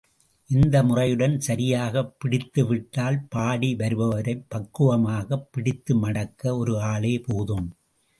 இந்த முறையுடன் சரியாகப் பிடித்துவிட்டால், பாடி வருபவரைப் பக்குவமாகப் பிடித்து மடக்க ஒரு ஆளே போதும்.